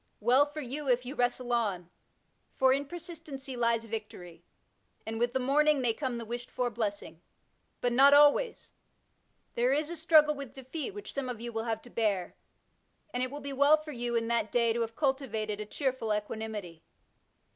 Well for you, if you wrestle on, for in persistency lies victory, and with the morning may come the wished for blessing. But not always ; there is a struggle with defeat which some of you will have to bear, and it will be well for you in that day to have cultivated a cheer ful equanimity.